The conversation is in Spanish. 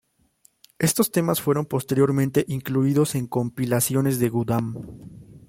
Estos temas fueron posteriormente incluidos en compilaciones de Gundam.